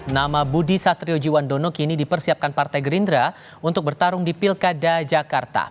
nama budi satriojiwandono kini dipersiapkan partai gerindra untuk bertarung di pilkada jakarta